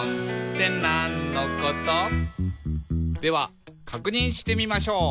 「ではかくにんしてみましょう」